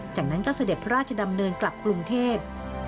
จากนั้นก็เสด็จพระราชดำเนินกลับกรุงเทพ